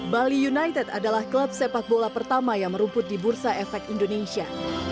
bali united adalah klub sepak bola pertama yang merumput di bursa efek indonesia